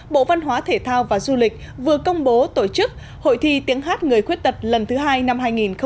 bộ văn hóa thể thao và du lịch vừa công bố tổ chức hội thi tiếng hát người khuyết tật lần thứ hai năm hai nghìn một mươi chín